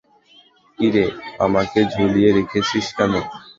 কিরে, আমাকে ঝুলিয়ে রেখেছিস কেন?